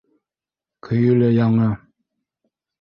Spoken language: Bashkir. Көйө лә яңы.